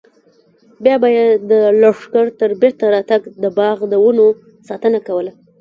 بیا به یې د لښکر تر بېرته راتګ د باغ د ونو ساتنه کوله.